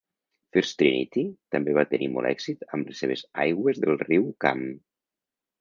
First Trinity també va tenir molt èxit amb les seves aigües del riu Cam.